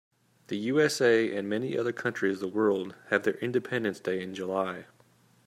The USA and many other countries of the world have their independence day in July.